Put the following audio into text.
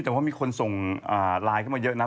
แต่ว่ามีคนส่งไลน์เข้ามาเยอะนะ